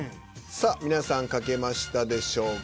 さあ皆さん書けましたでしょうか。